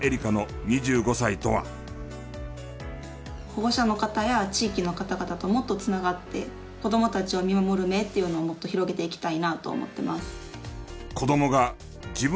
保護者の方や地域の方々ともっと繋がって子どもたちを見守る目っていうのをもっと広げていきたいなと思っています。